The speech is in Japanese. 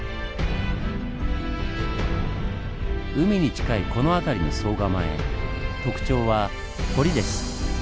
海に近いこの辺りの総構特徴は堀です。